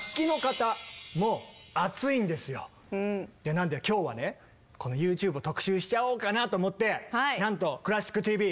なんで今日はねこのＹｏｕＴｕｂｅを特集しちゃおうかなと思ってなんと「クラシックＴＶ」時間を拡大して。